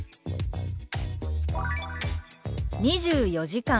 「２４時間」。